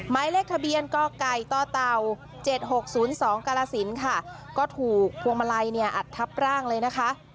ไม้เล็กทะเบียนก็ไกลต้อเตา๗๖๐๒กละศิลป์ค่ะก็ถูกพวงมาลัยอัดทับร่างเลยนะคะ